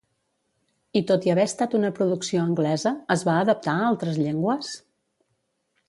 I tot i haver estat una producció anglesa, es va adaptar a altres llengües?